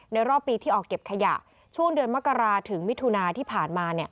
รอบปีที่ออกเก็บขยะช่วงเดือนมกราถึงมิถุนาที่ผ่านมา